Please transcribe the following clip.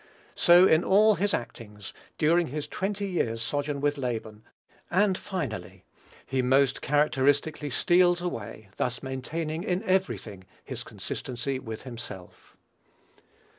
So in all his actings, during his twenty years' sojourn with Laban; and finally, he most characteristically "steals away," thus maintaining in every thing his consistency with himself.